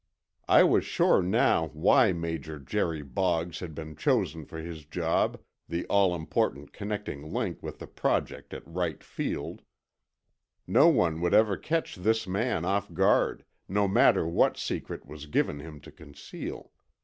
I was sure now why Major Jerry Boggs had been chosen for his job, the all important connecting link with the project at Wright Field. No one would ever catch this man off guard, no matter what secret was given him to conceal.